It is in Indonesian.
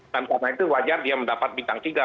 karena itu wajar dia mendapat bintang tiga